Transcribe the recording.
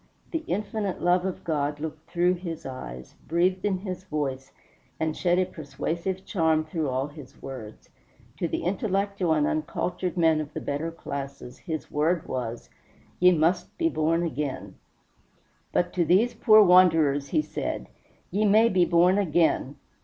The infinite love of God looked through his eyes, breathed in his voice, and shed a persuasive charm through all his words. To the intellectual and cultured men of the better classes his word was, "Ye must be born again;" but to these poor wanderers he said, "Ye may be born again.